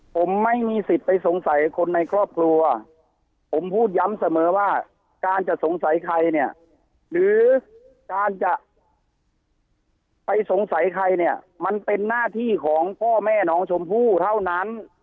ผมไม่มีสิทธิ์ไปสงสัยคนในครอบครัวผมพูดย้ำเสมอว่าการจะสงสัยใครเนี่ยหรือการจะไปสงสัยใครเนี่ยมันเป็นหน้าที่ของพ่อแม่น้องชมพู่เท่านั้น